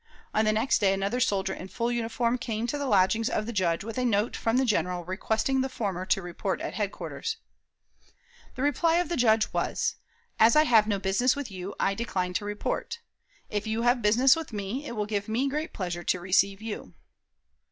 On the next day another soldier in full uniform came to the lodgings of the Judge with a note from the General requesting the former to report at headquarters. The reply of the Judge was: "As I have no business with you, I decline to report. If you have business with me, it will give me great pleasure to receive you."